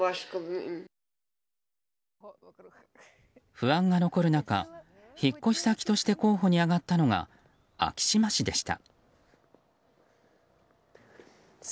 不安が残る中引っ越し先として候補に挙がったのが昭島市でした。